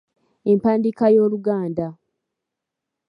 Empandiika y’Oluganda.